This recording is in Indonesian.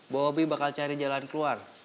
bobi bakal cari jalan keluar